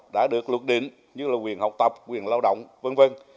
đã được luật định như là quyền học tập quyền lao động v v